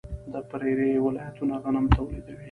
د پریري ولایتونه غنم تولیدوي.